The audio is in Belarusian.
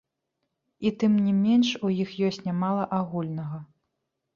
І тым не менш у іх ёсць нямала агульнага.